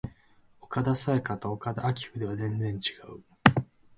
岡田紗佳と岡田彰布ではだいぶ違う